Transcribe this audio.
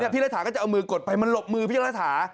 พี่ระถาก็จะเอามือกดไปมันหลบมือพี่ระถา